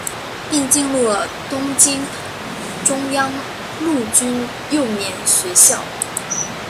并进入了东京中央陆军幼年学校。